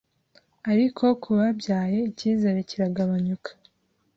Ariko ku babyaye icyizere kiragabanyuka